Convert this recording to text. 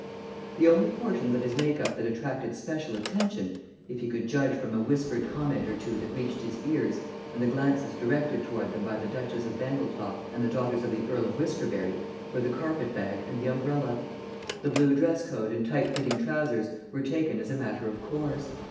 The only portions of his make up that attracted special attention if he could judge from a whispered comment or two that reached his ears, and the glances directed toward them by the Duchess of Bangletop and the daughters of the Earl of Whiskerberry were the carpet bag and the umbrella. The blue dress coat and tight fitting trousers were taken as a matter of course.